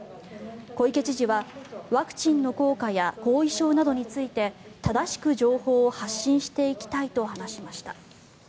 小池知事はワクチンの効果や後遺症などについて正しく情報を発信していきたいと話しました。